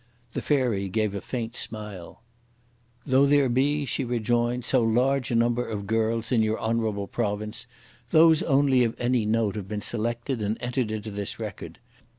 The Fairy gave a faint smile. "Through there be," she rejoined, "so large a number of girls in your honourable province, those only of any note have been selected and entered in this record.